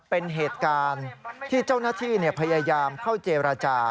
เป็นเหตุการณ์ที่เจ้าหน้าที่พยายามเข้าเจรจา